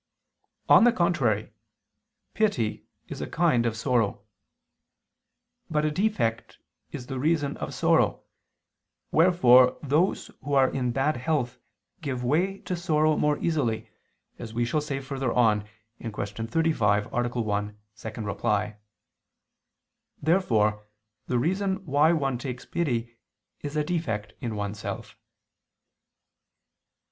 On the contrary, Pity is a kind of sorrow. But a defect is the reason of sorrow, wherefore those who are in bad health give way to sorrow more easily, as we shall say further on (Q. 35, A. 1, ad 2). Therefore the reason why one takes pity is a defect in oneself.